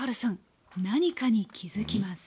何かに気付きます